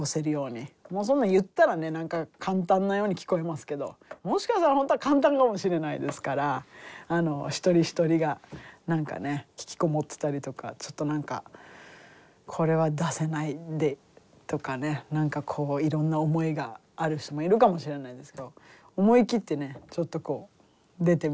もうそんな言ったらね何か簡単なように聞こえますけどもしかしたら本当は簡単かもしれないですから一人一人が何かね引きこもってたりとかちょっと何かこれは出せないんでとかね何かこういろんな思いがある人もいるかもしれないですけど思い切ってねちょっとこう出てみたりとかうん。